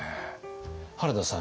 原田さん